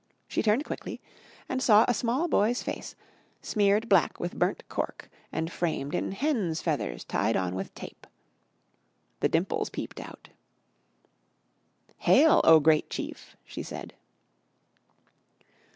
She turned quickly and saw a small boy's face, smeared black with burnt cork and framed in hens' feathers tied on with tape. The dimples peeped out. "Hail, O great chief!" she said.